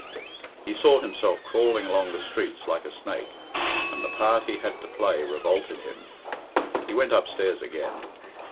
He saw himself crawling along the streets like a snake, and the part he had to play revolted him. He went upstairs again.